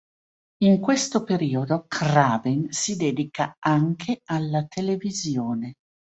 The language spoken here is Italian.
In questo periodo Craven si dedica anche alla televisione.